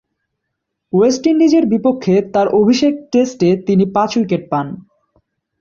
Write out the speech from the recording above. West ইন্ডিজের বিপক্ষে তার অভিষেক টেস্টে তিনি পাঁচ উইকেট পান।